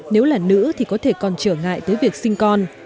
nếu là nữ thì có thể còn trở ngại tới việc sinh con